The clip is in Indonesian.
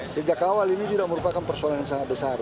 sejak awal ini tidak merupakan persoalan yang sangat besar